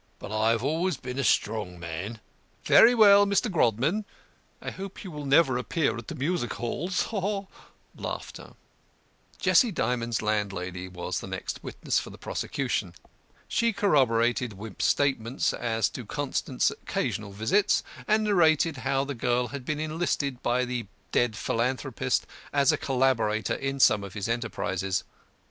But I have always been a strong man." "Very well, Mr. Grodman. I hope you will never appear at the music halls." Jessie Dymond's landlady was the next witness for the prosecution. She corroborated Wimp's statements as to Constant's occasional visits, and narrated how the girl had been enlisted by the dead philanthropist as a collaborator in some of his enterprises.